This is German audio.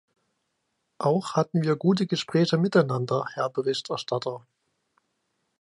Auch hatten wir gute Gespräche miteinander, Herr Berichterstatter.